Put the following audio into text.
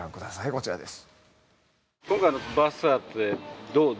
こちらです。